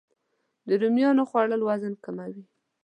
د رومیانو خوړل وزن کموي